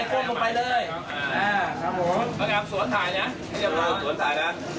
ยกไว้ยกข้างไว้